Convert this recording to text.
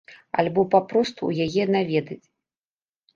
Альбо папросту ў яе наведаць.